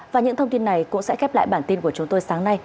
và những thông tin này cũng sẽ khép lại bản tin của chúng tôi sáng nay